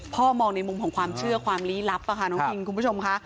มองในมุมของความเชื่อความลี้ลับค่ะน้องคิงคุณผู้ชมค่ะ